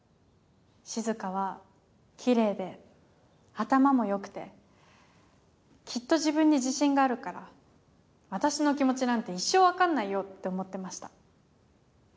しず香はキレイで頭も良くてきっと自分に自信があるから私の気持ちなんて一生分かんないよって思ってました。